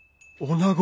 女子。